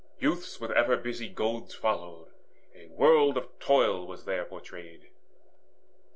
Youths with ever busy goads Followed: a world of toil was there portrayed.